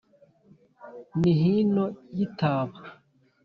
Ni hino y'itaba